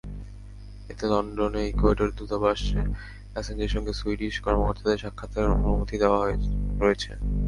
এতে লন্ডনে ইকুয়েডর দূতাবাসে অ্যাসাঞ্জের সঙ্গে সুইডিস কর্মকর্তাদের সাক্ষাতের অনুমতি রয়েছে।